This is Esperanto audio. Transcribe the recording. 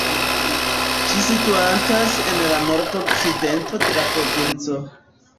Ĝi situantas en la nordokcidento de la provinco.